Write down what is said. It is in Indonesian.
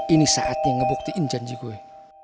ini saatnya ngebuktiin janji gue